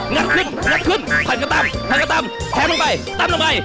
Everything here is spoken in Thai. งัดขึ้นผ่านกระตำแพ้ลงไปตามลงไป